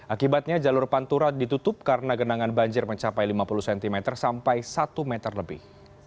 akibatnya jalur pantura ditutup karena genangan banjir mencapai lima puluh cm sampai satu meter lebih